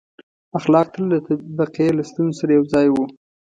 • اخلاق تل د طبقې له ستونزې سره یو ځای وو.